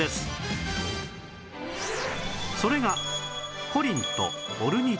それが